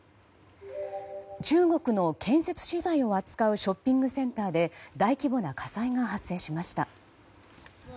中国の建設資材を扱うショッピングセンターで大規模な火災が発生しました。